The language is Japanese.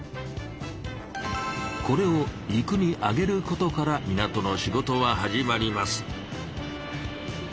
これを陸にあげることから港の仕事は始まります。